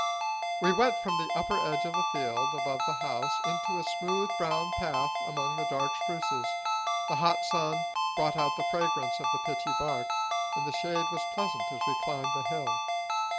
We went from the upper edge of the field above the house into a smooth, brown path among the dark spruces. The hot sun brought out the fragrance of the pitchy bark, and the shade was pleasant as we climbed the hill.